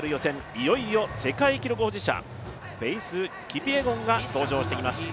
いよいよ世界記録保持者、フェイス・キピエゴンが登場してきます。